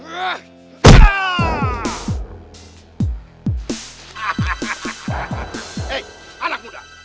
hei anak muda